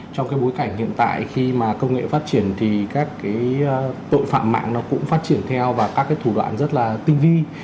trong cái bối cảnh hiện tại khi mà công nghệ phát triển thì các cái tội phạm mạng nó cũng phát triển theo và các cái thủ đoạn rất là tinh vi